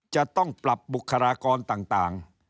จะต้องปรับบุคลากรต่าง